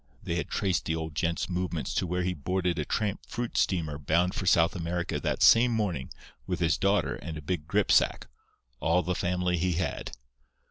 They had traced the old gent's movements to where he boarded a tramp fruit steamer bound for South America that same morning with his daughter and a big gripsack—all the family he had.